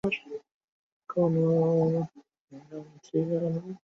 তবে সকালে প্রচণ্ড বৃষ্টি হওয়ায় আবহাওয়া খুব একটা সুবিধার ছিল না।